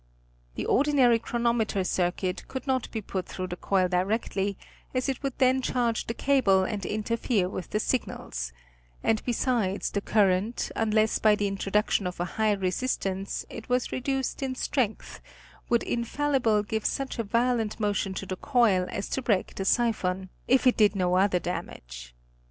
The ordinary chronometer circuit could not be put through the coil directly, as it would then charge the cable and interfere with the signals, and besides, the cur rent, unless by the introduction of a high resistance it was reduced in strength, would infallibly give such a violent motion to the coil as to break the siphon, if it did no other damage.